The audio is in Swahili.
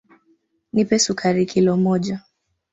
Nipe sukari kilo moja.